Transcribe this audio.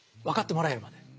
分かってもらえるまで。